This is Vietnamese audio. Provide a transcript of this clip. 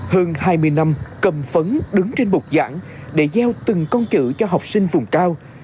hơn hai mươi năm cầm phấn đứng trên bục giảng để gieo từng con chữ cho học sinh vùng cao